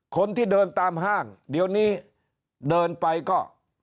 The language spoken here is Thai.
คนที่เดินตามห้างเดี๋ยวนี้เดินไปก็